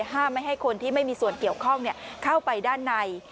ห้ามไม่ให้คนที่ไม่มีส่วนเกี่ยวข้องเข้าไปด้านใน